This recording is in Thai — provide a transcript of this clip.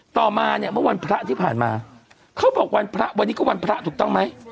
ต่อมาเนี่ยเมื่อวันพระที่ผ่านมาเขาบอกวันพระวันนี้ก็วันพระถูกต้องไหม